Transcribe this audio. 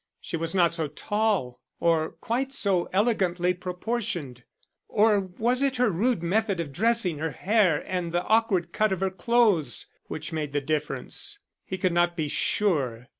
She was not so tall or quite so elegantly proportioned; or was it her rude method of dressing her hair and the awkward cut of her clothes which made the difference. He could not be sure.